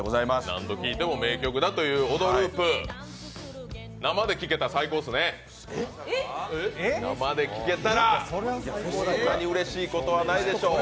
何度聞いても名曲だという「オドループ」、生で聴けたら、こんなにうれしいことはないでしょう。